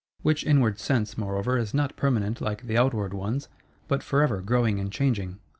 Which inward sense, moreover is not permanent like the outward ones, but forever growing and changing.